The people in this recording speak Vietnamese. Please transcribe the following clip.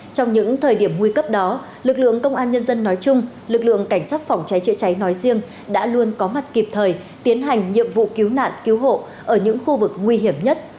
trong những thời điểm nguy cấp đó lực lượng công an nhân dân nói chung lực lượng cảnh sát phòng cháy chữa cháy nói riêng đã luôn có mặt kịp thời tiến hành nhiệm vụ cứu nạn cứu hộ ở những khu vực nguy hiểm nhất